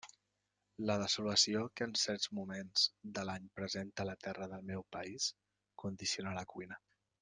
La desolació que en certs moments de l'any presenta la terra del meu país condiciona la cuina.